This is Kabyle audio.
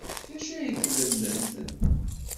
D acu ay la tlemmed?